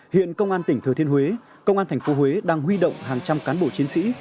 hiện công an tỉnh thừa thiên huế công an thành phố huế đang huy động hàng trăm cán bộ chiến sĩ